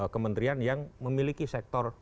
kementerian yang memiliki sektor